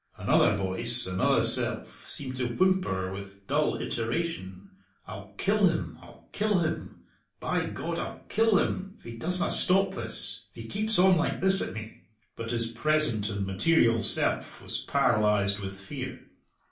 Another voice, another self, seemed to whimper, with dull iteration, "I'll kill him; I'll kill him; by God, I'll kill him if he doesna stop this if he keeps on like this at me!" But his present and material self was paralyzed with fear.